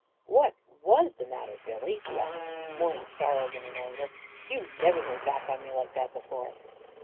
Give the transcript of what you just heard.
44 What was the matter, Billy? " he asked, more in sorrow than in anger. " You never went back on me like that before."